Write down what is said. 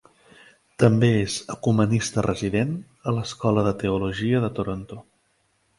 També és Ecumenista Resident a l'Escola de Teologia de Toronto.